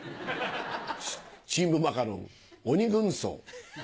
チームマカロン鬼軍曹。